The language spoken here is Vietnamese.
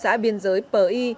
xã biên giới p i